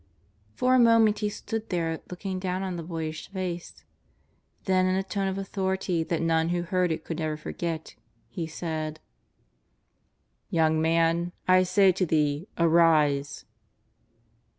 For a moment He stood there looking down on the boyish face. Then in a tone of authority that none who heard it could ever forget, He said :" Young man, I say to thee, arise